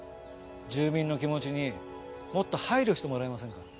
住民の気持ちにもっと配慮してもらえませんか。